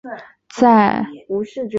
在文保二年即位。